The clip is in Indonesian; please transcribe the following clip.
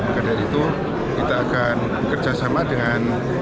oleh karena itu kita akan bekerja sama dengan